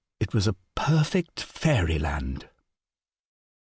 It was a perfect fairyland.